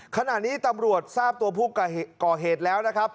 ขณะนี้ตำรวจทราบตัวผู้ก่อเหตุแล้วนะครับ